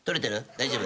大丈夫？